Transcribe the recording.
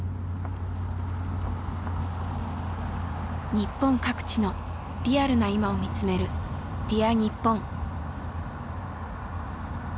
日本各地のリアルな今を見つめる「Ｄｅａｒにっぽん」。